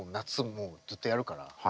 もうずっとやるから。